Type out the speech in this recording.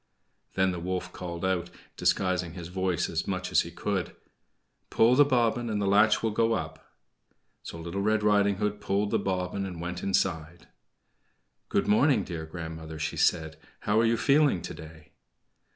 Then the wolf called out, disguising his voice as much as he could: "Pull the bobbin and the latch will go up." So Little Red Riding Hood pulled the bobbin and went inside. "Good morning, dear grandmother," she said. "How are you feeling today?"